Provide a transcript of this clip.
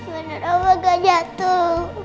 bener oma gak jatuh